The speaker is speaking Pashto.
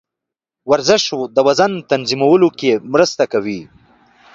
ورزش د وزن تنظیمولو کې مرسته کوي.